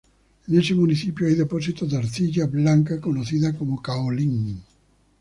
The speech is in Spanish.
En este municipio hay depósitos de arcilla blanca conocida como "caolín.